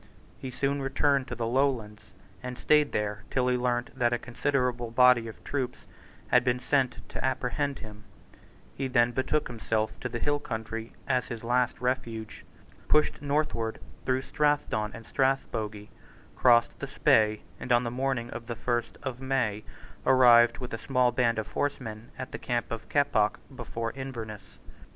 He soon returned to the Lowlands, and stayed there till he learned that a considerable body of troops had been sent to apprehend him, He then betook himself to the hill country as his last refuge, pushed northward through Strathdon and Strathbogie, crossed the Spey, and, on the morning of the first of May, arrived with a small band of horsemen at the camp of Keppoch before Inverness.